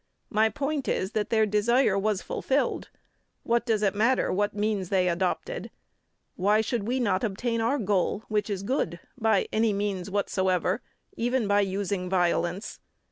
My point is that their desire was fulfilled. What does it matter what means they adopted? Why should we not obtain our goal which is good, by any means whatsoever even by using violence?